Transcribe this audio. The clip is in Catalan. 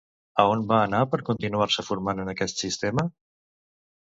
A on va anar per continuar-se formant en aquest sistema?